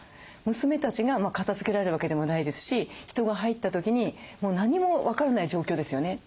娘たちが片づけられるわけでもないですし人が入った時に何も分からない状況ですよね。